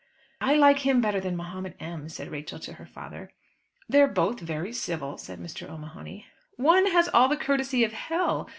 "I like him better than Mahomet M.," said Rachel to her father. "They're both very civil," said Mr. O'Mahony. "One has all the courtesy of hell!